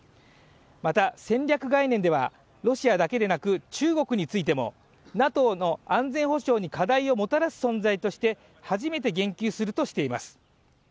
また、戦略概念ではロシアだけでなく中国についてもＮＡＴＯの安全保障に課題をもたらす存在として初めて言及するとしています。